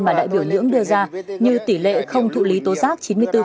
mà đại biểu nhưỡng đưa ra như tỷ lệ không thụ lý tố giác chín mươi bốn